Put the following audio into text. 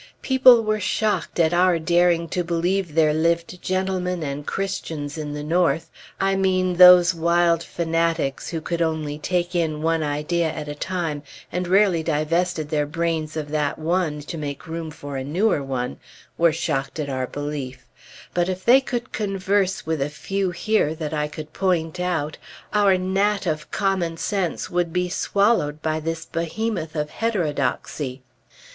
People were shocked at our daring to believe there lived gentlemen and Christians in the North I mean those wild fanatics, who could only take in one idea at a time, and rarely divested their brains of that one to make room for a newer one, were shocked at our belief; but if they could converse with a few here, that I could point out, our gnat of common sense would be swallowed by this behemoth of heterodoxy.